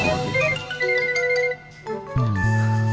lima menit lagi